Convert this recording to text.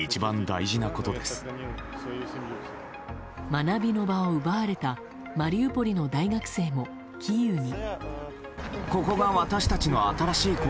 学びの場を奪われたマリウポリの大学生もキーウに。